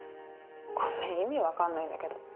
ごめん意味分かんないんだけど。